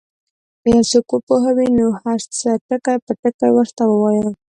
که یو څوک وپوهوې نو هر څه ټکي په ټکي ورته ووایه.